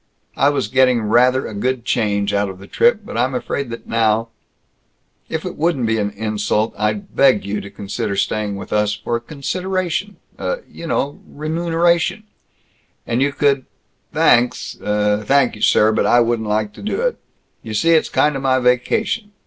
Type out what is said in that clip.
I was getting rather a good change out of the trip, but I'm afraid that now If it wouldn't be an insult, I'd beg you to consider staying with us for a consideration, uh, you know, remuneration, and you could " "Thanks, uh, thank you, sir, but I wouldn't like to do it. You see, it's kind of my vacation.